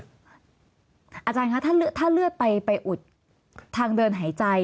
อาจารย์คะถ้าเลือดไปอุดทางเดินหายใจ